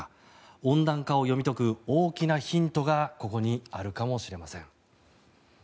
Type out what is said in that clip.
温暖化を読み解く大きなヒントがここにあるかもしれません。